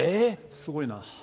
すごいな。